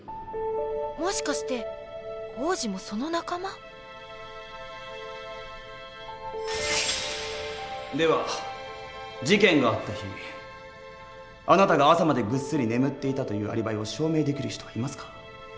もしかして王子もその仲間？では事件があった日あなたが朝までぐっすり眠っていたというアリバイを証明できる人はいますか？